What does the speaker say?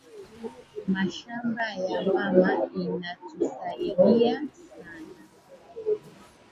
Mashamba ya mama ina tu saidia sana